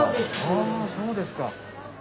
あそうですか。